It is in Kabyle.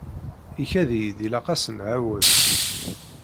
Ikad-iyi-d ilaq ad s-nɛawed.